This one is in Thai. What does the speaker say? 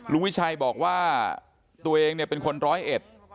ลุงวิชัยบอกว่าตัวเองเป็นคนร้อยเอ็ด